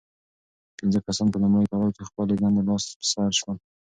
پنځه کسان په لومړي پړاو کې له خپلې دندې لاس په سر شول.